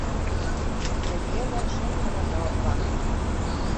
— Әлиә лә шым ғына яуапланы.